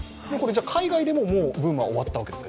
海外でも、ブームは終わったわけですか？